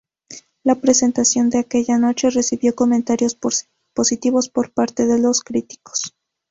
La presentación de aquella noche recibió comentarios positivos por parte de los críticos.